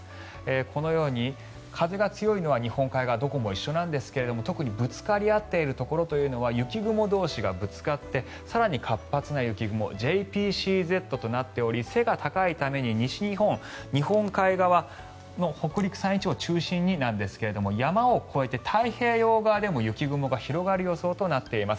このように風が強いのは日本海側どこも一緒なんですが特にぶつかり合っているところというのは雪雲同士がぶつかって更に活発な雪雲ＪＰＣＺとなっており背が高いために西日本日本海側の北陸、山陰地方を中心になんですが山を越えて太平洋側でも雪雲が広がる予想となっています